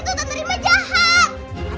tidak terima jahat